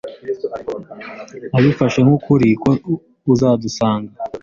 Nabifashe nk'ukuri ko uzadusanga.